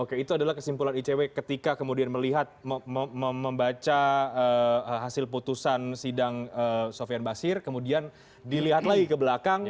oke itu adalah kesimpulan icw ketika kemudian melihat membaca hasil putusan sidang sofian basir kemudian dilihat lagi ke belakang